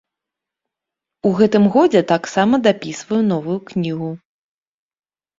У гэтым годзе таксама дапісваю новую кнігу.